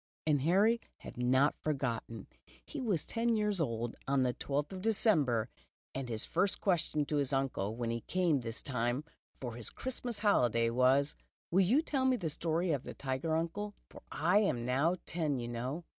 And Harry had not forgotten. He was ten years old, on the twelfth of December, and his first question to his uncle, when he came this time for The Tiger on the Hudson. 67 his Christmas hoHdays was: "Will you tell me the stor\ of the tiger, Uncle, for I am now ten. you know